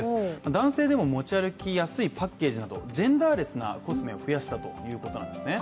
男性でも持ち歩きやすいパッケージなどジェンダーレスなコスメを増やしたということなんですね。